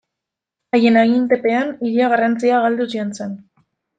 Haien agintepean, hiria garrantzia galduz joan zen.